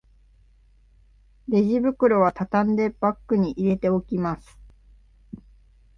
レジ袋はたたんでバッグに入れておきます